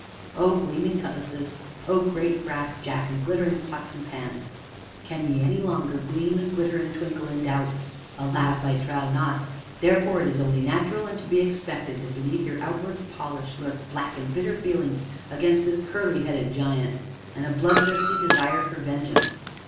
O gleaming Cutlasses! O great Brass Jack and glittering Pots and Pans! can ye any longer gleam and glitter and twinkle in doubt? Alas! I trow not. Therefore it is only natural and to be expected that beneath your outward polish lurk black and bitter feelings against this curly headed giant, and a bloodthirsty desire for vengeance.